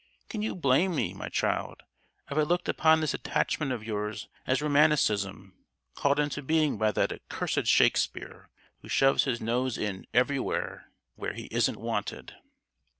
Can you blame me, my child, if I looked upon this attachment of yours as romanticism—called into being by that accursed Shakespeare, who shoves his nose in everywhere where he isn't wanted?